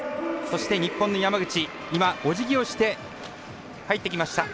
そして、日本の山口今、おじぎをして入ってきました。